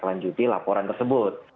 selanjutnya laporan tersebut